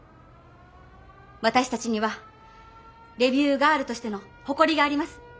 私たちにはレビューガールとしての誇りがあります。